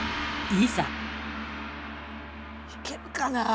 いけるかなあ？